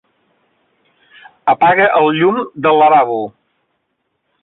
Apaga el llum del lavabo.